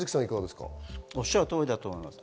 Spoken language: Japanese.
おっしゃる通りだと思います。